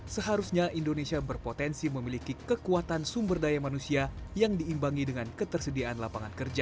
seharusnya indonesia berpotensi memiliki kekuatan sumber daya manusia yang diimbangi dengan ketersediaan lapangan kerja